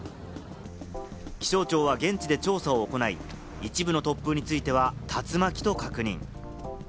気象庁は現地で調査を行い、一部の突風については、竜巻と確認。